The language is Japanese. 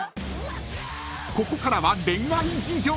［ここからは恋愛事情］